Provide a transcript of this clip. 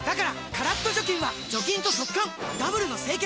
カラッと除菌は除菌と速乾ダブルの清潔！